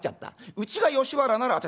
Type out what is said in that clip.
うちが吉原なら私